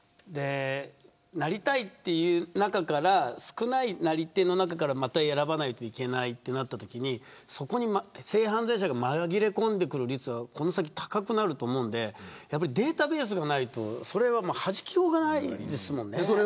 なりたいという中から少ないなり手の中から選ばないといけないときそこに性犯罪者が紛れ込んでくる率は高くなると思うのでデータベースがないとはじきようがないですよね。